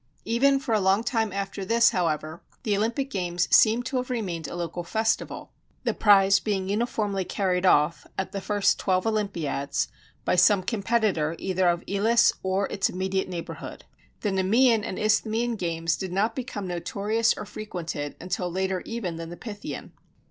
Even for a long time after this, however, the Olympic games seem to have remained a local festival; the prize being uniformly carried off, at the first twelve Olympiads, by some competitor either of Elis or its immediate neighborhood. The Nemean and Isthmian games did not become notorious or frequented until later even than the Pythian.